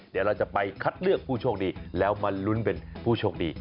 เดี๋ยวเราจะไปคัดเลือกผู้โชคดีแล้วมาลุ้นเป็นผู้โชคดี